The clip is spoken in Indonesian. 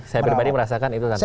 saya pribadi merasakan itu tantangan